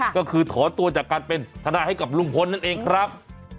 ก็คือถอนตัวจากการเป็นทนายให้กับลุงพลนั่นเองครับ